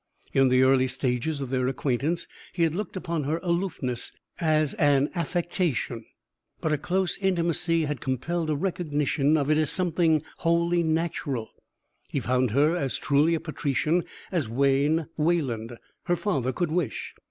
In the early stages of their acquaintance he had looked upon her aloofness as an affectation, but a close intimacy had compelled a recognition of it as something wholly natural; he found her as truly a patrician as Wayne Wayland, her father, could wish.